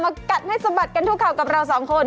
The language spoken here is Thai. กัดให้สะบัดกันทุกข่าวกับเราสองคน